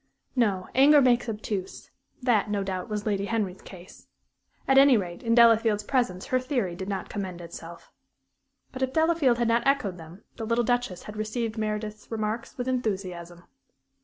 No, anger makes obtuse; that, no doubt, was Lady Henry's case. At any rate, in Delafield's presence her theory did not commend itself. But if Delafield had not echoed them, the little Duchess had received Meredith's remarks with enthusiasm.